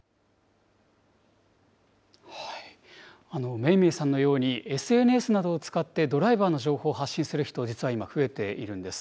めいめいさんのように、ＳＮＳなどを使ってドライバーの情報を発信する人、実は今、増えているんです。